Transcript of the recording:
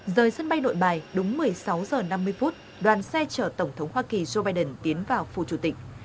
rời sân bay nội bài đúng một mươi sáu giờ năm mươi phút đoàn xe chở tổng thống hoa kỳ joe biden tiến vào phù chủ tịch